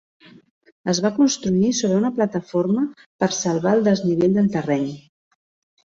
Es va construir sobre una plataforma per salvar el desnivell del terreny.